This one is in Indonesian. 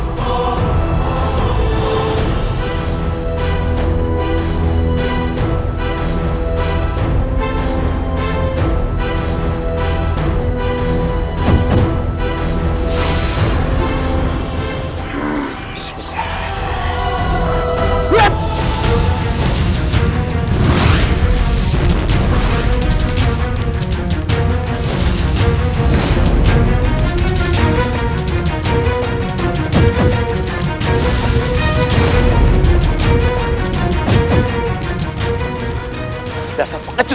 kau akan menyerah